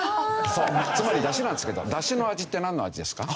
そうつまりだしなんですけどだしの味ってなんの味ですか？